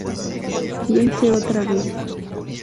Piense otra vez.